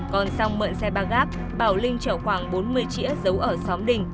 còn xong mượn xe ba gác bảo linh chở khoảng bốn mươi trĩa dấu ở xóm đình